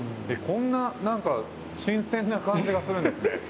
こんな何か新鮮な感じがするんですね。